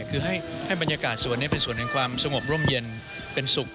คือให้บรรยากาศสวนนี้เป็นส่วนแห่งความสงบร่มเย็นเป็นสุข